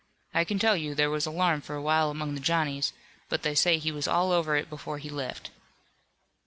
I can tell you there was alarm for a while among the Johnnies, but they say he was all over it before he left."